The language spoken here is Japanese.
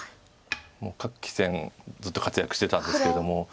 各棋戦ずっと活躍してたんですけども。